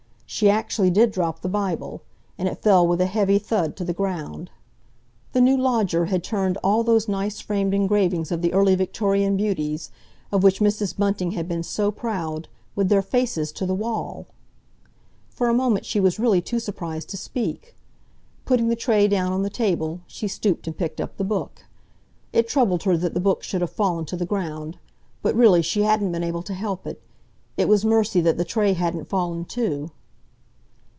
She actually did drop the Bible, and it fell with a heavy thud to the ground. The new lodger had turned all those nice framed engravings of the early Victorian beauties, of which Mrs. Bunting had been so proud, with their faces to the wall! For a moment she was really too surprised to speak. Putting the tray down on the table, she stooped and picked up the Book. It troubled her that the Book should have fallen to the ground; but really she hadn't been able to help it—it was mercy that the tray hadn't fallen, too.